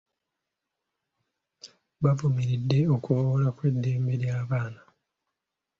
Baavumiridde okuvvoola kw'eddembe ly'abaana.